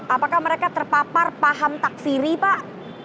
apakah mereka terpapar paham takfiri pak